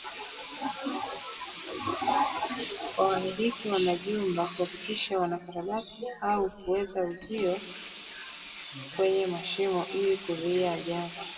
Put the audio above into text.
kwa wamiliki wa majumba kuhakikisha wanakarabati au kuweza uzio kwenye mashimo ili kuzuia ajali